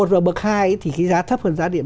một ở bậc hai thì cái giá thấp hơn giá điện